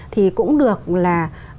thì cũng được là